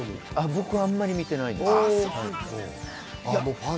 あんまり見てないです。